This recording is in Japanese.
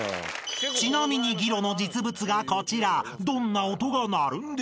［ちなみにギロの実物がこちら］